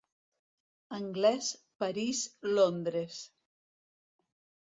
Anglès, París, Londres.